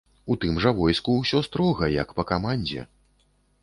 У тым жа войску ўсё строга, як па камандзе.